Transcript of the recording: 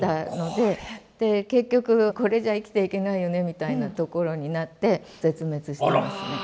で結局これじゃ生きていけないよねみたいなところになって絶滅してますね。